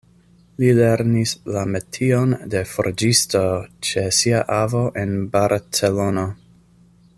Li lernis la metion de forĝisto ĉe sia avo en Barcelono.